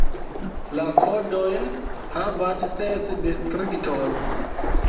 La kodojn havas ses distriktoj.